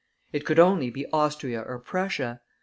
It could only be Austria or Prussia.